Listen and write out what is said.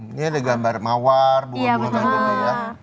ini ada gambar mawar buah buahan